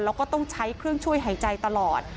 แล้วก็ต้องใช้เครื่องช่วยหายใจตลอด